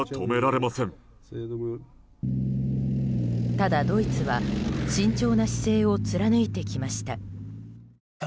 ただ、ドイツは慎重な姿勢を貫いてきました。